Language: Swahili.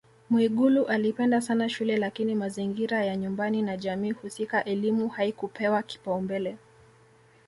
Mwigulu alipenda sana shule lakini mazingira ya nyumbani na jamii husika elimu haikupewa kipaumbele